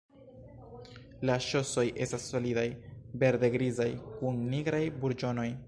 La ŝosoj estas solidaj, verde-grizaj, kun nigraj burĝonoj.